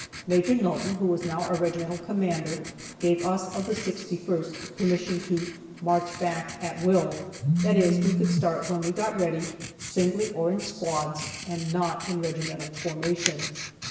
Maj. Nulton, who was now our regimental commander, gave us of the 61st permission to march back "at will." That is, we could start when we got ready, singly or in squads, and not in regimental formation.